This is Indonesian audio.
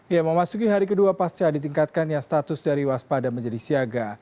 ya memasuki hari kedua pasca ditingkatkannya status dari waspada menjadi siaga